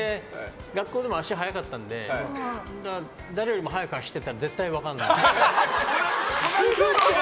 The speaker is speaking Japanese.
学校でも足が速かったので誰よりも速く走ってたら分からない。